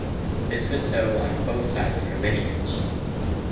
This was so on both sides of her lineage.